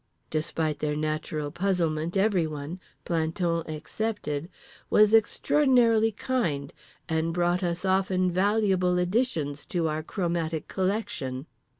Despite their natural puzzlement everyone (plantons excepted) was extraordinarily kind and brought us often valuable additions to our chromatic collection.